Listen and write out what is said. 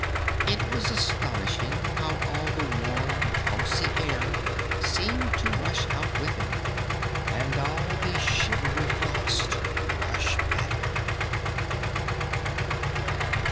It was astonishing how all the warm housey air seemed to rush out with him, and all the shivery frost rush back.